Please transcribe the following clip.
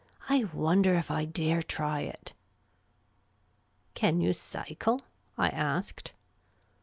" I wonder if I dare try it !"Can you cycle ?" I asked.